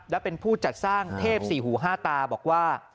และเป็นผู้จัดสร้างเทพสี่หูห้าตาบอกว่า